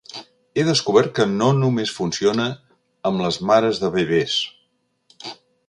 He descobert que no només funciona amb les mares de bebès.